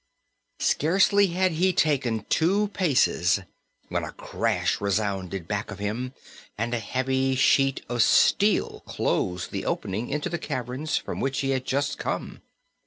Scarcely had he taken two paces when a crash resounded back of him and a heavy sheet of steel closed the opening into the cavern from which he had just come.